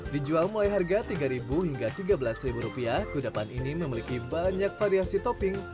dijual mulai harga tiga hingga tiga belas rupiah kudapan ini memiliki banyak variasi topping